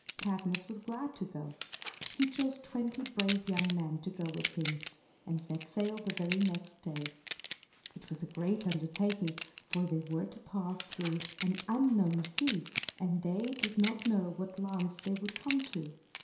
Cadmus was glad to go. He chose twenty brave young men to go with him, and set sail the very next day. It was a great undertaking; for they were to pass through an unknown sea, and they did not know what lands they would come to.